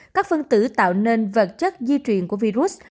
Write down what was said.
các phân tử tạo nên vật chất di truyền của virus